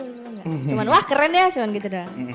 cuman wah keren ya cuman gitu